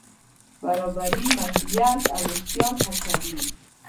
برابري مسوولیت او احتیاط هڅوي.